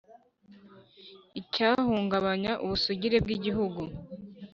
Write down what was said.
icyahungabanya ubusugire bw Igihugu